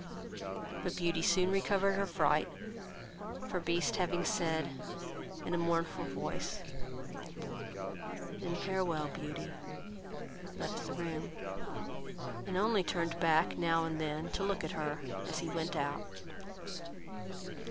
But Beauty soon recovered her fright, for Beast having said, in a mournful voice, "then farewell, Beauty," left the room; and only turned back, now and then, to look at her as he went out.